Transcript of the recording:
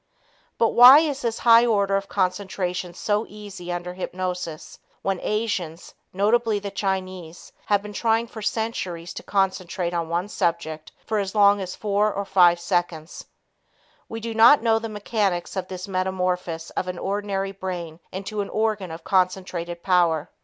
But why is this high order of concentration so easy under hypnosis when Asians, notably the Chinese, have been trying for centuries to concentrate on one subject for as long as four or five seconds. We do not know the mechanics of this metamorphosis of an ordinary brain into an organ of concentrated power.